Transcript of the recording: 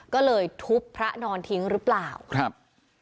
ก็เลยทุบพระนอนทิ้งหรือเปล่าครับ